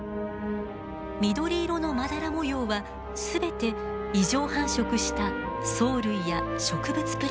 緑色のまだら模様は全て異常繁殖した藻類や植物プランクトンです。